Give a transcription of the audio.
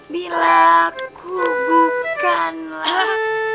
bila aku bukanlah